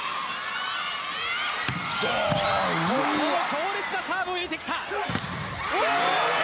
ここも強烈なサーブを入れてきた。